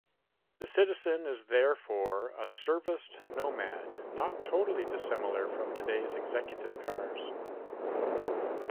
The citizen is therefore a serviced nomad not totally dissimilar from today's executive cars.